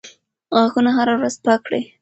غاښونه هره ورځ پاک کړئ.